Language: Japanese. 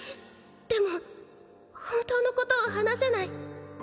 でも、本当のことを話せない。